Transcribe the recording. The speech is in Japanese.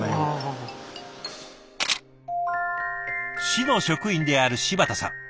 市の職員である柴田さん。